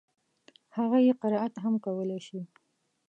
هغه يې قرائت هم کولای شي.